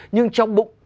nhưng trong bụng